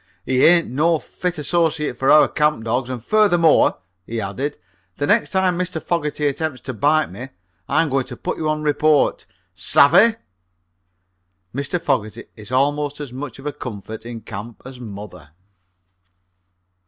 He ain't no fit associate for our camp dogs. And, furthermore," he added, "the next time Mr. Fogerty attempts to bite me I'm going to put you on report savez?" Mr. Fogerty is almost as much of a comfort in camp as mother.